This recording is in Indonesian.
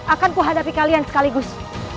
akanku hadapi kalian sekaligus